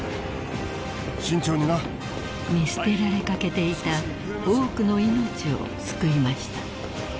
慎重にな。［見捨てられかけていた多くの命を救いました］